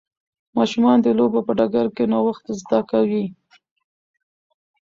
ماشومان د لوبو په ډګر کې نوښت زده کوي.